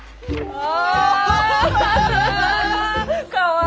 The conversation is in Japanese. ああ！